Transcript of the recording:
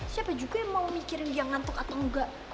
siapa juga yang mau mikirin dia ngantuk atau enggak